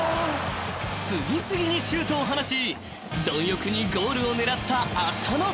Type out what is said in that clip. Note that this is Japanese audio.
［次々にシュートを放ち貪欲にゴールを狙った浅野］